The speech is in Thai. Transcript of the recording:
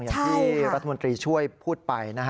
อย่างที่รัฐมนตรีช่วยพูดไปนะฮะ